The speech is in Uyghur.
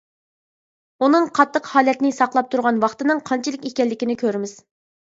ئۇنىڭ قاتتىق ھالەتنى ساقلاپ تۇرغان ۋاقىتنىڭ قانچىلىك ئىكەنلىكىنى كۆرىمىز.